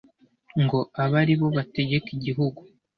ngo abe ari bo bategeka igihugu